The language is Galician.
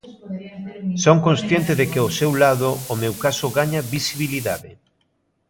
Son consciente de que ao seu lado o meu caso gaña visibilidade.